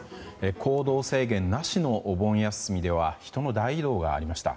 行動制限なしのお盆休みでは人の大移動がありました。